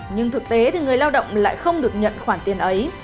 nhưng thực tế thì người lao động lại không được nhận khoản tiền ấy